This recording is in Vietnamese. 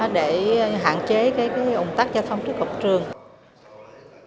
để hạn chế ủng tắc giao thông trước học trường